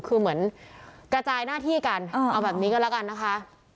คือเหมือนกระจายหน้าที่กันเอาแบบนี้ก็แล้วกันนะคะ